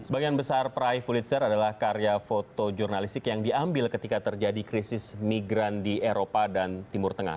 sebagian besar peraih pulitzer adalah karya foto jurnalistik yang diambil ketika terjadi krisis migran di eropa dan timur tengah